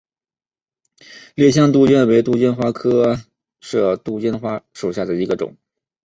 烈香杜鹃为杜鹃花科杜鹃花属下的一个种。